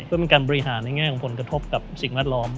เพื่อเป็นการบริหารในแง่ของผลกระทบกับสิ่งแวดล้อม